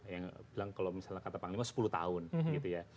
yang bilang kalau misalnya kata panglima sepuluh tahun gitu ya